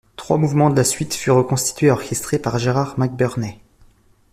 Trois mouvements de la suite furent reconstitués et orchestrés par Gerard McBurney.